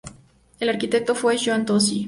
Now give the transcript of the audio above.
El arquitecto fue Juan Tosi.